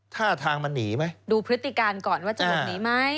ท่าทางมันหนีไหมดูพฤติการก่อนว่าจะหลบหนีไหม